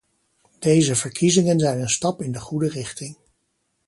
Deze verkiezingen zijn een stap in de goede richting.